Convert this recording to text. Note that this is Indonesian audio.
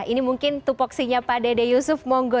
ini mungkin tupoksinya pak dede yusuf monggo